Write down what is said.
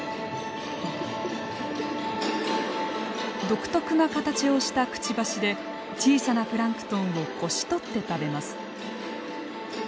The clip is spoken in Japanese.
独特な形をしたくちばしで小さなプランクトンをこしとって食べます。